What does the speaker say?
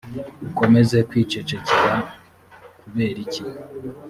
ukomeze kwicecekera kuberiki